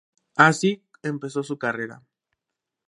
Así empezó su carrera.